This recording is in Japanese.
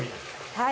はい。